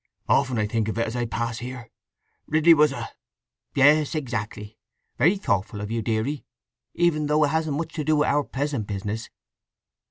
'_—Often think of it as I pass here. Ridley was a—" "Yes. Exactly. Very thoughtful of you, deary, even though it hasn't much to do with our present business."